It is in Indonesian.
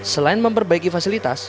selain memperbaiki fasilitas